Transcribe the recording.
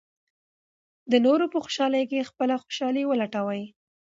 د نورو په خوشالۍ کې خپله خوشالي ولټوئ.